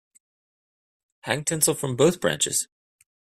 Hang tinsel from both branches.